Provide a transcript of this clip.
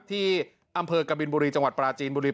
ที่อำเภอกบินบุรีจังหวัดปราจีนบุรี